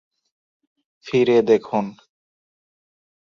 ফিরে দেখুন।